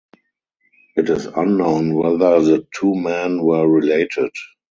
It is unknown whether the two men were related.